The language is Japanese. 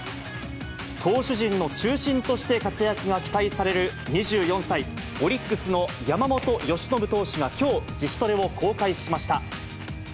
投手陣の中心として活躍が期待される２４歳、オリックスの山本由伸投手がきょう、自主トレを公開しました。